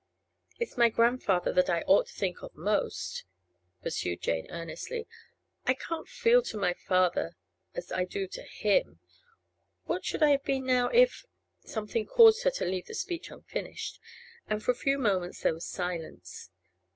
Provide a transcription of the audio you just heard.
'It's my grandfather that I ought to think most of,' pursued Jane earnestly. 'I can't feel to my father as I do to him. What should I have been now if—' Something caused her to leave the speech unfinished, and for a few moments there was silence.